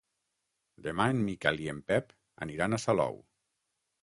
Demà en Miquel i en Pep aniran a Salou.